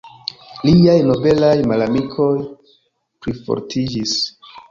Liaj nobelaj malamikoj plifortiĝis.